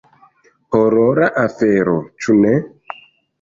Horora afero, ĉu ne?